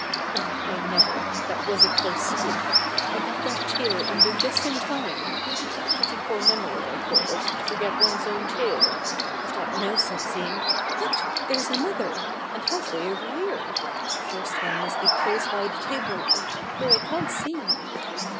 Well, I never! That was a close squeak I got that tail under just in time! Pretty poor memory, I call it, to forget one's own tail. If that mouse had seen What! There's another, and half way over here. The first one must be close by the table leg, though I can't see him.